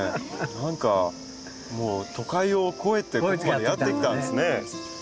何かもう都会を越えてここまでやって来たんですね。